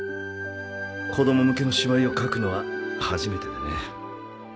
子供向けの芝居を書くのは初めてでね。